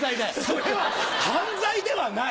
それは犯罪ではない！